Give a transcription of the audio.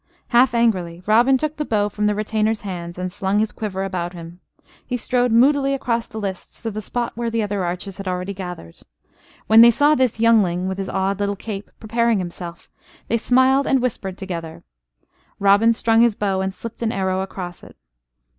Half angrily, Robin took the bow from the retainer's hands and slung his quiver about him. He strode moodily across the lists to the spot where the other archers had already gathered. When they saw this youngling with his odd little cape preparing himself, they smiled and whispered together. Robin strung his bow and slipped an arrow across it.